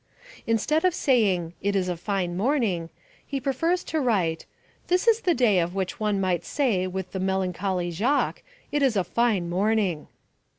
Instead of saying, "It is a fine morning," he prefers to write, "This is a day of which one might say with the melancholy Jacques, it is a fine morning."